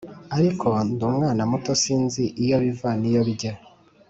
ariko ndi umwana muto sinzi iyo biva n’iyo bijya